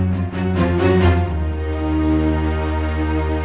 sampai jumpa lagi